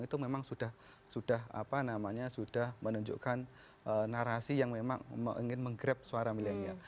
itu memang sudah menunjukkan narasi yang memang ingin menggrab suara milenial